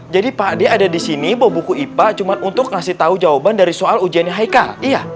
jadi pak de ada disini membawa buku ipa cuma untuk memberi tahu jawaban soal ujian yang haikal iya